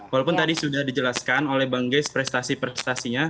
walaupun tadi sudah dijelaskan oleh bang gais prestasi prestasinya